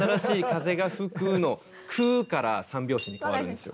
「く」から３拍子に変わるんですよ。